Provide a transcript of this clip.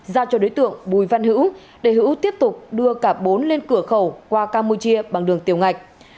giao cho đối tượng bùi văn hữu để hữu tiếp tục đưa cả bốn lên cửa khẩu qua campuchia bằng đường tiểu ngạch